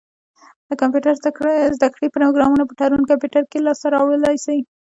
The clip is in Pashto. د کمپيوټر زده کړي پروګرامونه په تړون کمپيوټر کي لاسته را وړلای سی.